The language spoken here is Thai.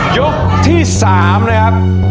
ยุคที่สามนะครับ